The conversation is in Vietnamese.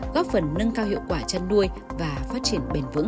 góp phần nâng cao hiệu quả chăn nuôi và phát triển bền vững